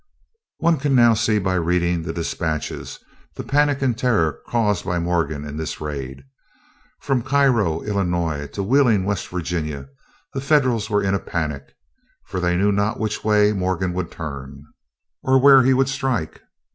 One can now see by reading the dispatches the panic and terror caused by Morgan in this raid. From Cairo, Illinois, to Wheeling, West Virginia, the Federals were in a panic, for they knew not which way Morgan would turn, or where he would strike.